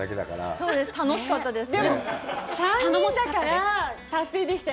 すごかったです